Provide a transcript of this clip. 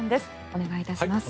お願いいたします。